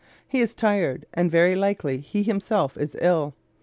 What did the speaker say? He is tired and very likely he himself is ill.